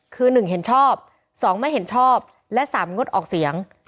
คือ๑เห็นชอบ๒ไม่เห็นชอบและ๓งดออกเสียง